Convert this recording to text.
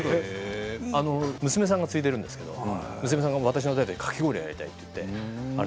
娘さんが継いでるんですけど娘さんが私の代でかき氷をやりたいと言って。